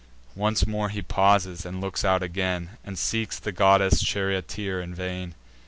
Once more he pauses, and looks out again, And seeks the goddess charioteer in vain.